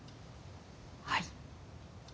はい。